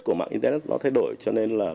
của mạng internet nó thay đổi cho nên là